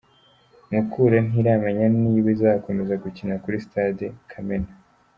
Mukura ntiramenya niba izakomeza gukinira kuri Stade Kamena.